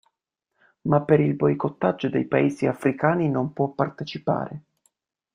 Ma per il boicottaggio dei paesi africani non può partecipare.